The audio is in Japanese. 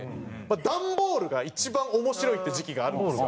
段ボールが一番面白いって時期があるんですよ。